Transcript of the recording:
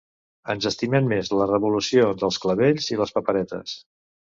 Ens estimem més la revolució dels clavells i les paperetes.